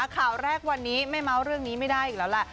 ข่าวแรกวันนี้ไม่เมาส์เรื่องนี้ไม่ได้อีกแล้วแหละ